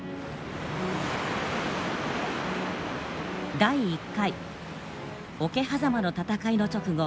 第１回桶狭間の戦いの直後